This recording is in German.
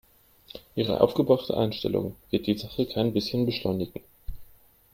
Ihre aufgebrachte Einstellung wird die Sache kein bisschen beschleunigen.